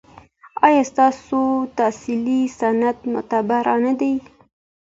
ایا ستاسو تحصیلي اسناد معتبر نه دي؟